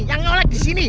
yang ngeolek di sini